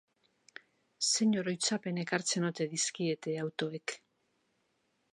Zein oroitzapen ekartzen ote dizkiete autoek?